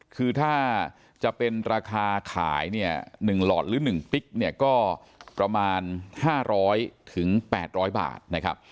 คือถ้าจะเป็นราคาขายเนี่ยหนึ่งหลอดหรือหนึ่งปิ๊กเนี่ยก็ประมาณห้าร้อยถึงแปดร้อยบาทนะครับ